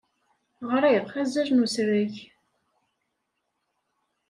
Ɣriɣ azal n usrag.